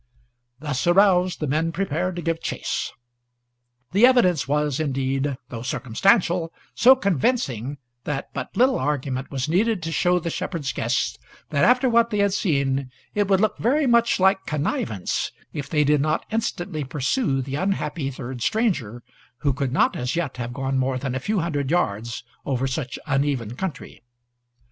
Thus aroused, the men prepared to give chase. The evidence was, indeed, though circumstantial, so convincing that but little argument was needed to show the shepherd's guests that, after what they had seen, it would look very much like connivance if they did not instantly pursue the unhappy third stranger, who could not as yet have gone more than a few hundred yards over such uneven country.